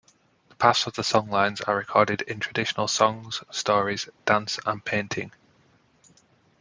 The paths of the songlines are recorded in traditional songs, stories, dance, and painting.